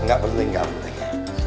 enggak enggak penting